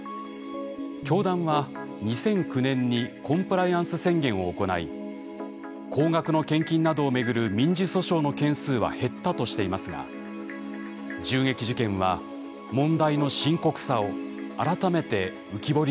教団は２００９年にコンプライアンス宣言を行い高額の献金などをめぐる民事訴訟の件数は減ったとしていますが銃撃事件は問題の深刻さを改めて浮き彫りにする形になったのです。